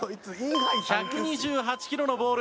１２８キロのボール。